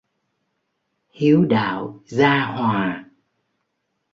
Hiếu đạo gia hòa